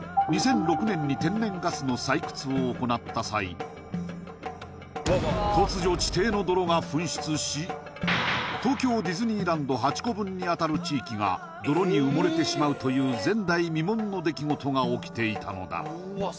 ２００６年に天然ガスの採掘を行った際突如地底の泥が噴出し東京ディズニーランド８個分にあたる地域が泥に埋もれてしまうという前代未聞の出来事が起きていたのだ